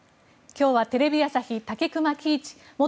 今日はテレビ朝日武隈喜一元